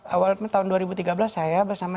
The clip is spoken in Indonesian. awal tahun dua ribu tiga belas saya bersama